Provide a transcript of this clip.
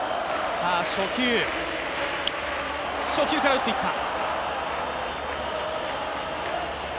初球から打っていった。